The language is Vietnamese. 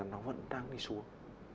nó vẫn đang đi xuống